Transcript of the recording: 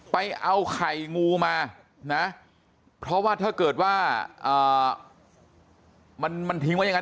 ไปเอาไข่งูมานะเพราะว่าถ้าเกิดว่ามันทิ้งไว้อย่างนั้น